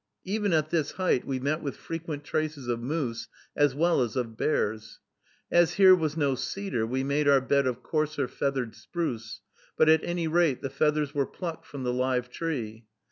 Even at this height we met with frequent traces of moose, as well as of bears. As here was no cedar, we made our bed of coarser feathered spruce; but at any rate the feathers were plucked from the live tree.